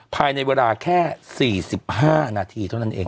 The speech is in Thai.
ภายในเวลาแค่๔๕นาทีเท่านั้นเอง